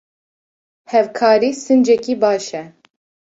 Hevkarî sincekî baş e.